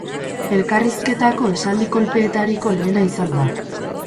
Elkarrizketako esaldi-kolpeetariko lehena izan da.